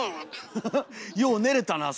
よう寝れたな